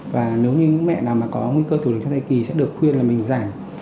và nếu như mẹ nào có nguy cơ tiêu đường trong thai kỳ sẽ được khuyên là mình giải